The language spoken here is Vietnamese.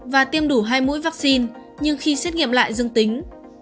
và tiêm đủ hai mũi vaccine nhưng khi xét nghiệm lại dương tính